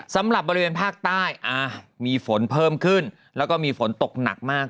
สำหรับบริเวณภาคใต้มีฝนเพิ่มขึ้นแล้วก็มีฝนตกหนักมาก